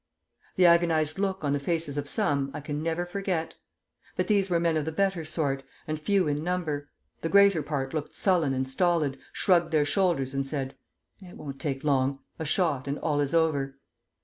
The agonized look on the faces of some, I can never forget; but these were men of the better sort, and few in number: the greater part looked sullen and stolid, shrugged their shoulders, and said, 'It won't take long; a shot, and all is over.'